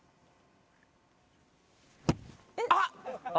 あっ。